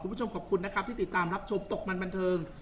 คุณผู้ชมขอบคุณนะครับที่ติดตามรับชมตกมันบันเทิง